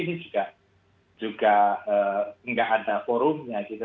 ini juga nggak ada forumnya gitu